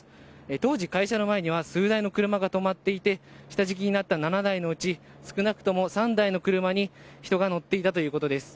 当時、会社の前には数台の車が止まっていて下敷きになった７台のうち少なくとも３台の車に人が乗っていたということです。